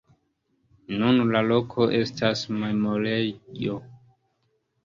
Nun la loko estas memorejo.